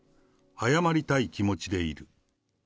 謝りたい気持ちでいる。